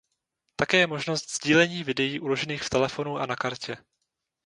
Také je možnost sdílení videí uložených v telefonu a na kartě.